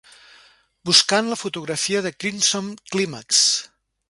Buscant la fotografia de Crimson Climax.